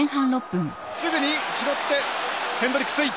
すぐに拾ってヘンドリック・ツイ。